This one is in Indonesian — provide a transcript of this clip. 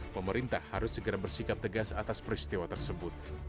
pemerintah harus segera bersikap tegas atas peristiwa tersebut